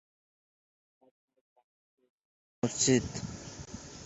চন্দ্রপুর জেলাটি মহারাষ্ট্র রাজ্যের পূর্বপ্রান্তে বিদর্ভ অঞ্চলের পূর্ব অংশে অবস্থিত।